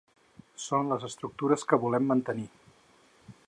Són les estructures que volem mantenir.